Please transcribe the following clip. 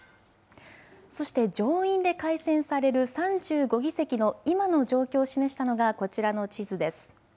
そして上院で改選される３５議席の今の状況を示したのがこちらの地図です。